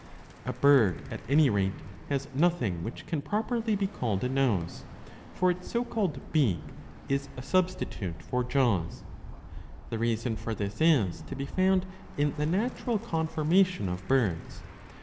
A bird at any. rate has nothing which can properly be called a nose. For its so called beak is a substitute for jaws. The reason for this is to be found in the natural conformation of birds.